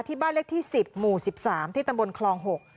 บ้านเลขที่๑๐หมู่๑๓ที่ตำบลคลอง๖